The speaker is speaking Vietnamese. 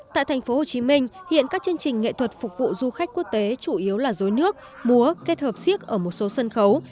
tại thành phố hồ chí minh hiện các chương trình nghệ thuật phục vụ du khách quốc tế chủ yếu là dối nước múa kết hợp siếc ở một số sân khấu